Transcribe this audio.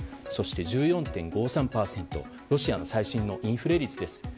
そして１４．５３％ロシアの最新のインフレ率です。